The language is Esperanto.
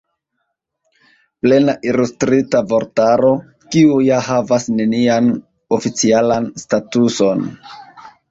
Plena Ilustrita Vortaro, kiu ja havas nenian oficialan statuson!